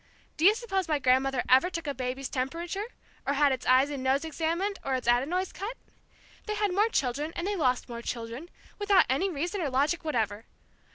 Do you suppose my grandmother ever took a baby's temperature, or had its eyes and nose examined, or its adenoids cut? They had more children, and they lost more children, without any reason or logic whatever.